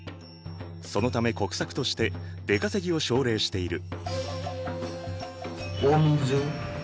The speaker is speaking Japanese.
そのため国策として出稼ぎを奨励している。